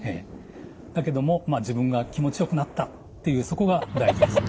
だけども自分が気持ちよくなったっていうそこが大事です。